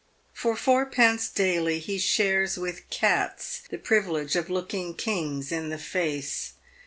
For fourpence daily he shares with cats the privilege of looking kings in the face.